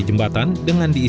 jembatan bentang lrt